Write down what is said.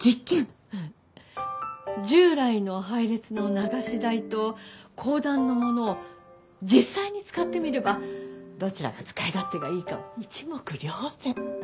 従来の配列の流し台と公団のものを実際に使ってみればどちらが使い勝手がいいかは一目瞭然。